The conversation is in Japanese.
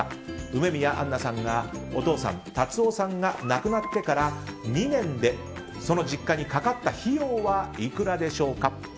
梅宮アンナさんがお父さん・辰夫さんが亡くなってから２年でその実家にかかった費用はいくらでしょうか？